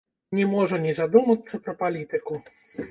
Не можа не задумацца пра палітыку.